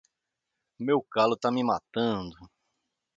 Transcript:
Meu calo tá me matando.